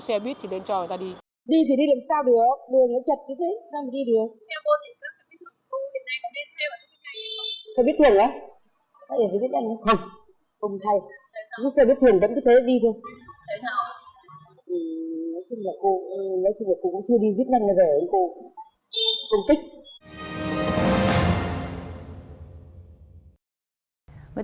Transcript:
xe buýt thường vẫn cứ thế đi thôi